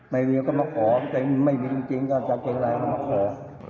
ไม่มีก็มาขอแต่ไม่มีจริงก็จะเก็บอะไรก็มาขอ